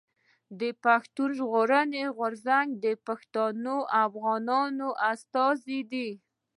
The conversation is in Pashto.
پښتون ژغورني غورځنګ د پښتنو افغانانو استازی دی.